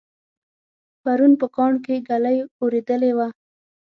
پرون په کاڼ کې ږلۍ اورېدلې وه